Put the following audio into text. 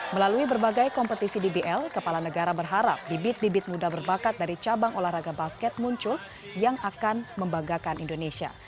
melalui berbagai kompetisi dbl kepala negara berharap bibit bibit muda berbakat dari cabang olahraga basket muncul yang akan membanggakan indonesia